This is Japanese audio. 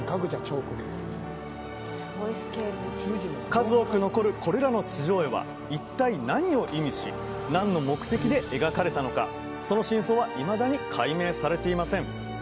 数多く残るこれらの地上絵は一体何を意味し何の目的で描かれたのかその真相はいまだに解明されていません